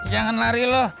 jangan lari loh